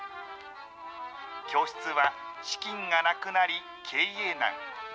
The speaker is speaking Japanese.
教室は資金がなくなり、経営難に。